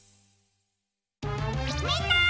みんな！